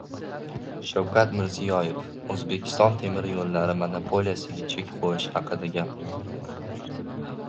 Shavkat Mirziyoyev “O‘zbekiston temir yo‘llari” monopoliyasiga chek qo‘yish haqida gapirdi